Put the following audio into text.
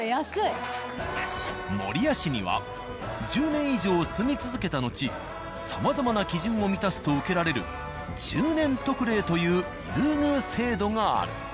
守谷市には１０年以上住み続けたのちさまざまな基準を満たすと受けられる１０年特例という優遇制度がある。